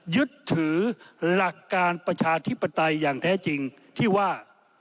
ยึดถือหลักการประชาธิปไตยอย่างแท้จริงที่ว่า